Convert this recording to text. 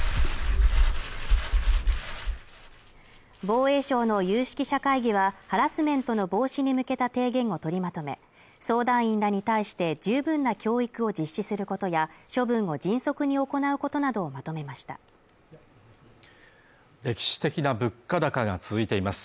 防衛省の有識者会議はハラスメントの防止に向けた提言を取りまとめ相談員らに対して十分な教育を実施することや処分を迅速に行うことなどをまとめました歴史的な物価高が続いています